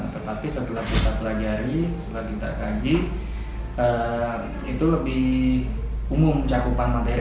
tetapi setelah kita pelajari setelah kita kaji itu lebih umum cakupan materi